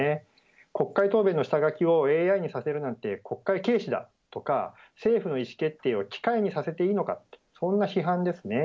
国会答弁の下書きをＡＩにさせるなんて国会軽視だとか政府の意思決定を機械にさせていいのかこんな批判ですね。